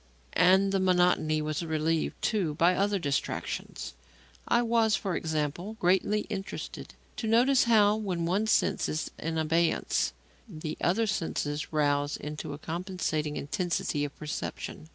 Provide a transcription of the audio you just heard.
And the monotony was relieved, too, by other distractions. I was, for example, greatly interested to notice how, when one sense is in abeyance, the other senses rouse into a compensating intensity of perception.